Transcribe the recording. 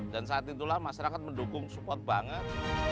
dan saat itulah masyarakat mendukung support banget